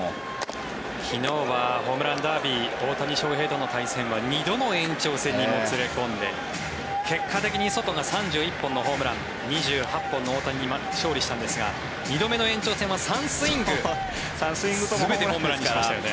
昨日はホームランダービー大谷翔平との対戦は２度の延長戦にもつれ込んで結果的にソトが３１本のホームラン２８本の大谷に勝利したんですが２度目の延長戦は３スイング全てホームランにしましたよね。